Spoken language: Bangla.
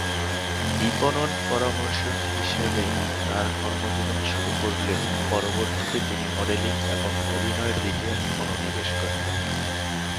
বিপণন পরামর্শক হিসাবে তার কর্মজীবন শুরু করলেও পরবর্তীতে তিনি মডেলিং এবং অভিনয়ের দিকে মনোনিবেশ করেন।